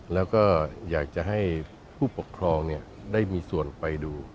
แล้วก็อยากจะให้ผู้ปกครองได้มีส่วนไปดู